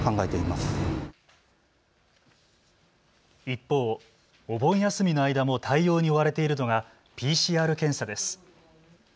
一方、お盆休みの間も対応に追われているのがＰＣＲ検査です。